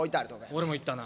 俺も行ったな。